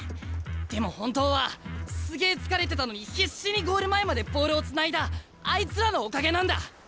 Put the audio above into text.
でも本当はすげえ疲れてたのに必死にゴール前までボールをつないだあいつらのおかげなんだ。